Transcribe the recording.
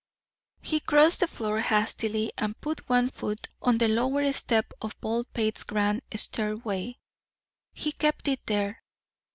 He crossed the floor hastily, and put one foot on the lower step of Baldpate's grand stairway. He kept it there.